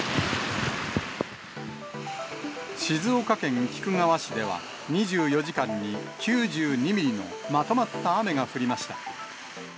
静岡県菊川市では、２４時間に９２ミリのまとまった雨が降りました。